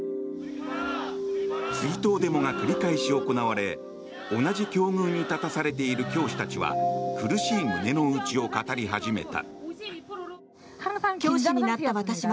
追悼デモが繰り返し行われ同じ境遇に立たされている教師たちは苦しい胸の内を語り始めた。